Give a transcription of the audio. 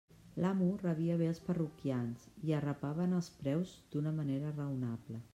L'amo rebia bé els parroquians i arrapava en els preus d'una manera raonable.